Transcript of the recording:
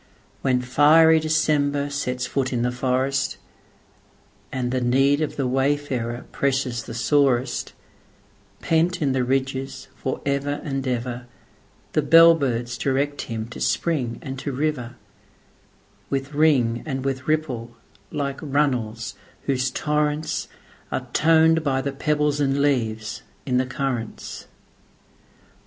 When fiery December sets foot in the forest, And the need of the wayfarer presses the sorest, Pent in the ridges for ever and ever, The bell birds direct him to spring and to river, With ring and with ripple, like runnels whose torrentsAre toned by the pebbles and leaves in the currents.